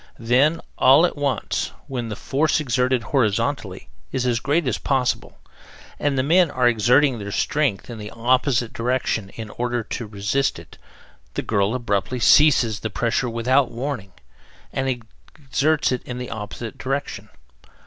Then, all at once, when the force exerted horizontally is as great as possible, and the men are exerting their strength in the opposite direction in order to resist it, the girl abruptly ceases the pressure WITHOUT WARNING and exerts it in the OPPOSITE DIRECTION.